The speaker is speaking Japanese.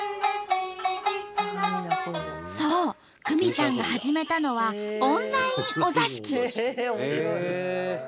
九美さんが始めたのはオンラインお座敷！